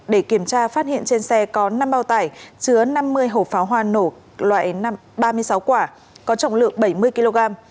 để kiểm tra phát hiện trên xe có năm bao tải chứa năm mươi hộp pháo hoa nổ loại ba mươi sáu quả có trọng lượng bảy mươi kg